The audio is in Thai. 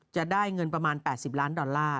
จะได้เงินประมาณ๘๐ล้านดอลลาร์